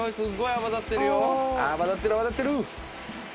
泡立ってる泡立ってる！